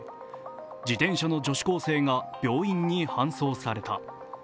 自転車の女子高生が病院に搬送された。